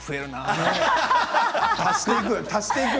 足していく。